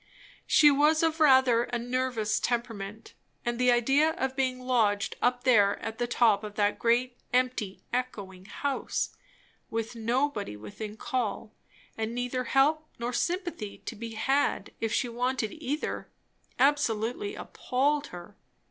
She was of rather a nervous temperament; and the idea of being lodged up there at the top of that great, empty, echoing house, with nobody within call, and neither help nor sympathy to be had if she wanted either, absolutely appalled her.